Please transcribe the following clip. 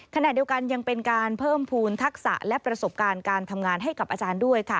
ขณะเดียวกันยังเป็นการเพิ่มภูมิทักษะและประสบการณ์การทำงานให้กับอาจารย์ด้วยค่ะ